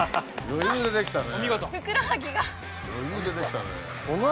余裕でできたね。